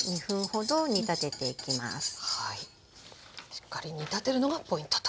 しっかり煮立てるのがポイントと。